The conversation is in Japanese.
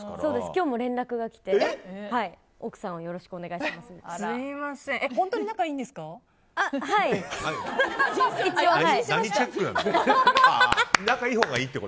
今日も連絡が来て奥さんをよろしくお願いしますって。